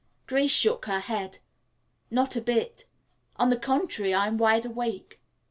Grace shook her head. "Not a bit. On the contrary, I'm wide awake."